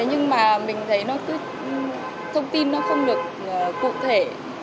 nhưng mà mình thấy thông tin nó không được cụ thể